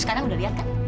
sekarang udah lihat